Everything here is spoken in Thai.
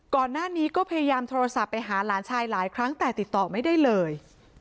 ก่อนหน้านี้ก็พยายามโทรศัพท์ไปหาหลานชายหลายครั้งแต่ติดต่อไม่ได้เลย